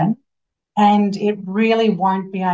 dan itu tidak akan bisa